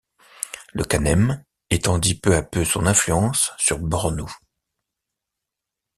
Le Kanem étendit peu à peu son influence sur Bornou.